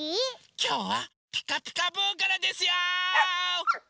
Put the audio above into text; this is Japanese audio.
きょうは「ピカピカブ！」からですよ！